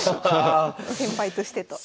先輩としてと。